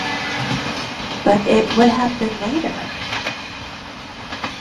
But it would have been later.